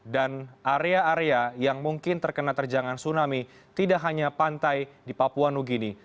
dan area area yang mungkin terkena terjangan tsunami tidak hanya pantai di papua new guinea